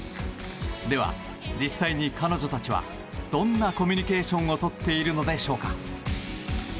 では、実際に彼女たちはどんなコミュニケーションをとっているのでしょうか？